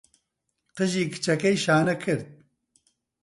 قژی کچەکەی شانە کرد.